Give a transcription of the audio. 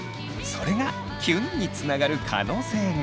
それがキュンにつながる可能性が。